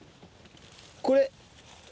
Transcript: これ。